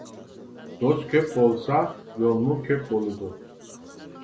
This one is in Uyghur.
دوست كۆپ بولسا، يولمۇ كۆپ بولىدۇ.